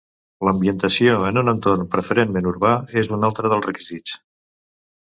L'ambientació en un entorn preferentment urbà, és un altre dels requisits.